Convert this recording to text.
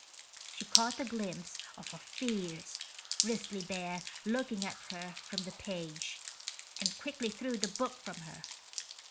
She caught a glimpse of a fierce grizzly bear looking at her from the page, and quickly threw the book from her.